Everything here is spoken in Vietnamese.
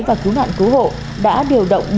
và cứu nạn cứu hộ đã điều động